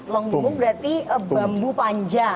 long bumbung berarti bambu panja